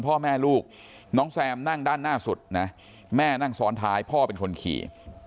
พ่อแม่ลูกน้องแซมนั่งด้านหน้าสุดนะแม่นั่งซ้อนท้ายพ่อเป็นคนขี่